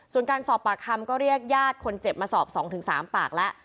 ส่วนการสอบปากคำก็เรียกญาติคนเจ็บมาสอบ๒๓ปากแล้ว